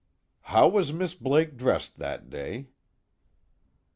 "How was Miss Blake dressed that day?"